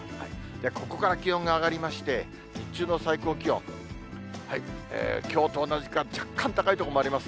ここから気温が上がりまして、日中の最高気温、きょうと同じか、若干高い所もあります。